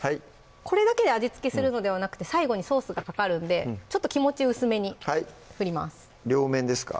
これだけで味付けするのではなくて最後にソースがかかるんでちょっと気持ち薄めに振ります両面ですか？